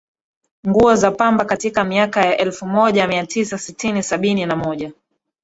nguo za pamba katika miaka ya elfu moja mia tisa sitini Sabini na moja